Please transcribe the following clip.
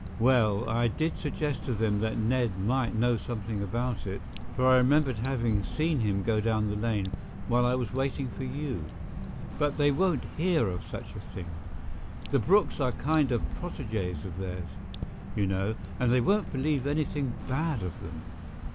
"Well, I did suggest to them that Ned might know something about it, for I remembered having seen him go down the lane while I was waiting for you, but they won't hear of such a thing. The Brookes are kind of protégés of theirs, you know, and they won't believe anything bad of them.